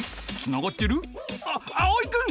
あっあおいくん！